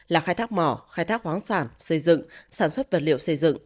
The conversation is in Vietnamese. là khai thác mỏ khai thác khoáng sản xây dựng sản xuất vật liệu xây dựng